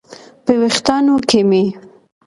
په ویښتانو کې مې